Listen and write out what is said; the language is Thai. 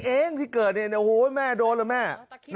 เองที่เกิดเนี่ยเนี่ยโหแม่โดนแล้วแม่